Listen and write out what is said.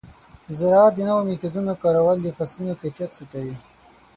د زراعت د نوو میتودونو کارول د فصلونو کیفیت ښه کوي.